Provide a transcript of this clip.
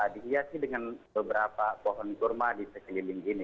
dihiasi dengan beberapa pohon kurma di sekeliling ini